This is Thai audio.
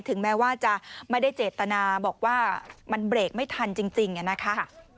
ถึงแม้ว่าจะไม่ได้เจตนาบอกว่ามันเบรกไม่ทันจริงนะคะ